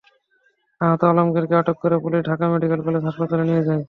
আহত আলমগীরকে আটক করে পুলিশ ঢাকা মেডিকেল কলেজ হাসপাতালে নিয়ে যায়।